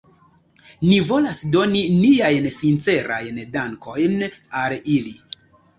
Ni volas doni niajn sincerajn dankojn al ili.